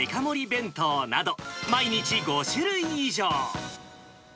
弁当など、毎日、５種類以上。